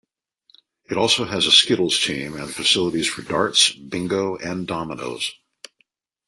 It also has a skittles team and facilities for darts, bingo and dominoes.